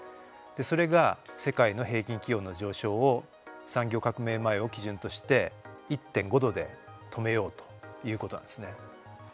それが世界の平均気温の上昇を産業革命前を基準として１．５℃で止めようということなんですね。